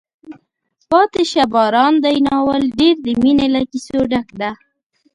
پاتې شه باران دی ناول ډېر د مینې له کیسو ډک ده.